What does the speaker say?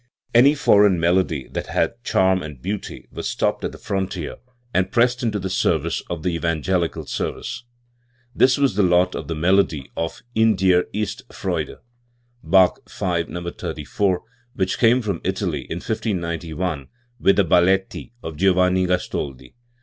Any foreign melody that had charm and beauty was stopped at the frontier and pressed into the service of the evangelical service. This was the lot of the melody of "In dir ist Freude" (Bach V, No. 34), which came from Italy in 1591 with the Balletti o Giovanni Gastoldi.